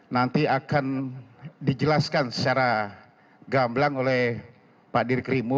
nanti akan dijelaskan secara gamblang oleh pak dirkrimu